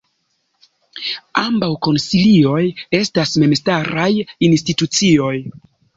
Ambaŭ konsilioj estas memstaraj institucioj.